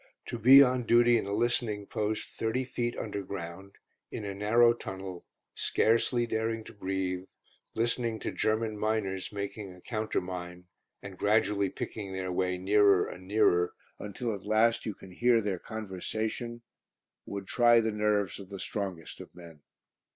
To be on duty in a listening post thirty feet underground in a narrow tunnel, scarcely daring to breathe, listening to German miners making a counter mine, and gradually picking their way nearer and nearer, until at last you can hear their conversation would try the nerves of the strongest of men.